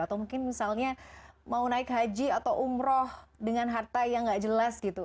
atau mungkin misalnya mau naik haji atau umroh dengan harta yang nggak jelas gitu